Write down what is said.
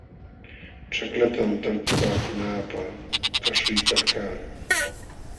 Ćhaklatam talpupaakunaapaq kaśhuykalkaa.